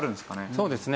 そうですね。